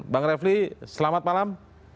bang refli selamat malam